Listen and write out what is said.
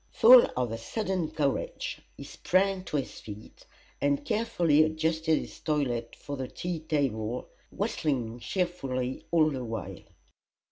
Full of a sudden courage he sprang to his feet, and carefully adjusted his toilet for the tea table, whistling cheerfully all the while.